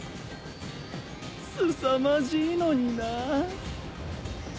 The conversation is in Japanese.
すさまじいのにな。